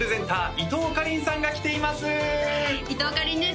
伊藤かりんです